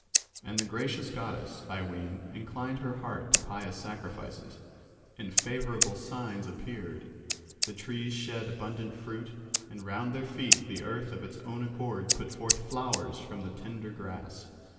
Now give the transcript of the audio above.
And the gracious goddess, I ween, inclined her heart to pious sacrifices; and favourable signs appeared. The trees shed abundant fruit, and round their feet the earth of its own accord put forth flowers from the tender grass.